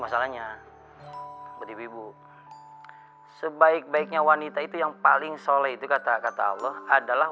masalahnya buat ibu ibu sebaik baiknya wanita itu yang paling soleh itu kata kata allah adalah